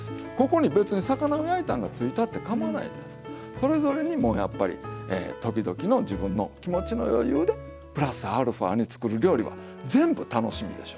それぞれにもうやっぱり時々の自分の気持ちの余裕でプラスアルファに作る料理は全部楽しみでしょ。